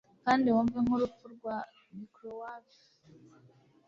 kandi wumve nkurupfu rwa microwave